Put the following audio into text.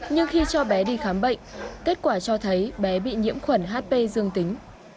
nhưng khi cho bé đi khám bệnh kết quả cho thấy bé bị nhiễm khuẩn hp dương tính